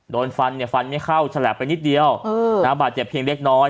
โดนฟันเนี่ยฟันไม่เข้าฉลับไปนิดเดียวบาดเจ็บเพียงเล็กน้อย